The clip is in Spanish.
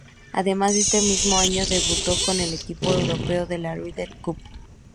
Además en este mismo año debutó con el equipo europeo de la Ryder Cup.